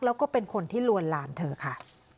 แล้วก็เป็นคนที่ลวนลามเธอค่ะ